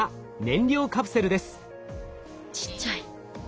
ちっちゃい。